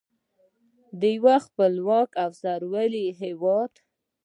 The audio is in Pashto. د یو خپلواک او سرلوړي هیواد.